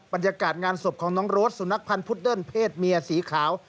บรรยากาศงานศพของน้องโรสสุนัขพันธ์พุดเดิ้ลเพศเมียสีขาว